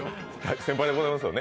先輩でございますよね。